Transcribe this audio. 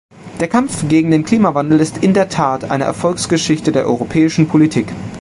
Der Kampf gegen den Klimawandel ist in der Tat eine Erfolgsgeschichte der europäischen Politik.